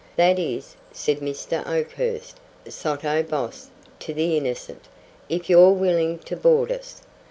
"That is," said Mr. Oakhurst, sotto voce to the Innocent, "if you're willing to board us.